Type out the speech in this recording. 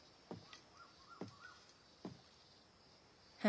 え？